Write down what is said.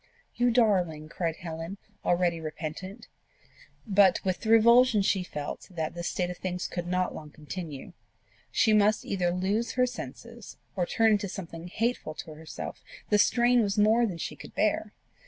"You darling!" cried Helen, already repentant. But with the revulsion she felt that this state of things could not long continue she must either lose her senses, or turn into something hateful to herself: the strain was more than she could bear.